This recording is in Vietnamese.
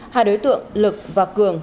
hai đối tượng lực và cường